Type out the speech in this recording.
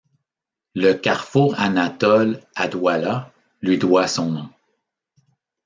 Le carrefour Anatole à Douala lui doit son nom.